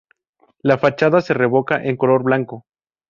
La fachada se revoca en color blanco.